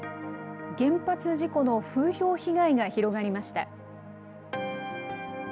原発事故の風評被害が広がりました。